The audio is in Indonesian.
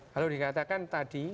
kalau dikatakan tadi